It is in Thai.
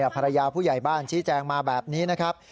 ภรรยาผู้ใหญ่บ้านชี้แจงมาแบบนี้นะครับ